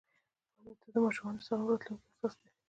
• واده د ماشومانو د سالم راتلونکي اساس دی.